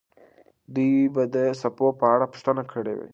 دوی به د څپو په اړه پوښتنه کړې وي.